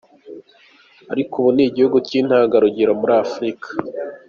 Ariko ubu ni igihugu cy’intangarugero muri Afurika.